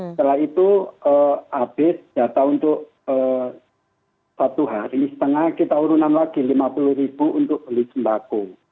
setelah itu habis data untuk satu hari setengah kita urunan lagi rp lima puluh untuk beli sembako